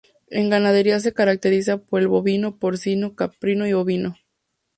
En ganadería se caracteriza por el bovino, porcino, caprino y ovino.